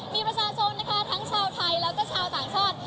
มีประชาชนนะคะทั้งชาวไทยแล้วก็ชาวต่างชาติ